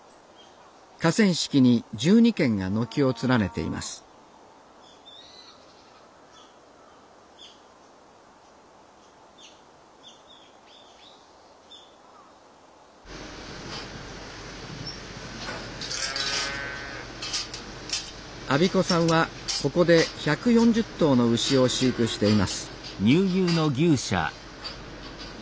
河川敷に１２軒が軒を連ねています安孫子さんはここで１４０頭の牛を飼育しています